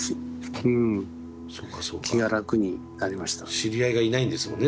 知り合いがいないんですもんね